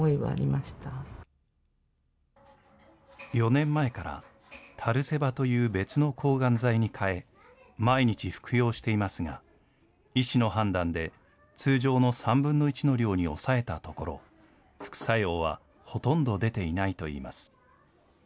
４年前から、タルセバという別の抗がん剤にかえ、毎日服用していますが、医師の判断で、通常の３分の１の量に抑えたところ、副作用はほとんど出ていないといいます。